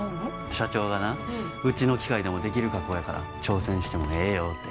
社長がなうちの機械でもできる加工やから挑戦してもええよって。